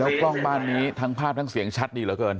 กล้องบ้านนี้ทั้งภาพทั้งเสียงชัดดีเหลือเกิน